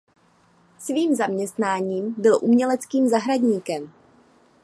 Svým zaměstnáním byl uměleckým zahradníkem.